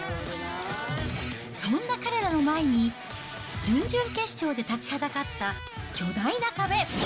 そんな彼らの前に、準々決勝で立ちはだかった巨大な壁。